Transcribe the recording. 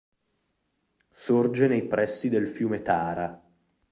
Sorge nei pressi del fiume Tara.